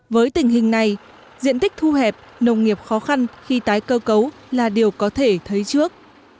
với tình hình này diện tích thu hẹp nông nghiệp khó khăn khi tái cơ cấu là điều có thể thấy trước